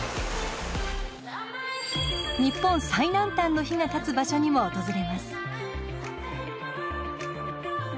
日本最南端之碑が建つ場所にも訪れます。